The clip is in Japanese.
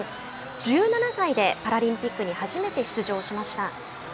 １７歳でパラリンピックに初めて出場しました。